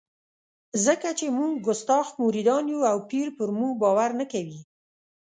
ځکه چې موږ کستاخ مریدان یو او پیر پر موږ باور نه کوي.